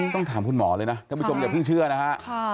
ต้องถามคุณหมอเลยนะท่านผู้ชมอย่าเพิ่งเชื่อนะฮะ